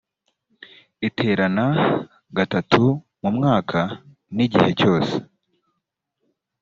iterana gatatu mu mwaka n igihe cyose